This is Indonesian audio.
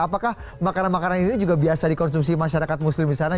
apakah makanan makanan ini juga biasa dikonsumsi masyarakat muslim di sana